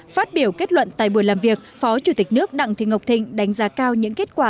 phát biểu kết luận tại buổi làm việc phó chủ tịch nước đặng thị ngọc thịnh đánh giá cao những kết quả